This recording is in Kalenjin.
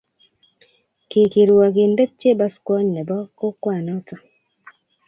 Ki kirwogindet chebaskwony nebo kokwanoto